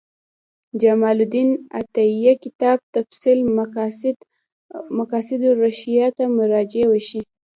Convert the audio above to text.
جمال الدین عطیه کتاب تفعیل مقاصد الشریعة ته مراجعه وشي.